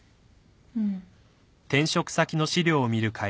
うん。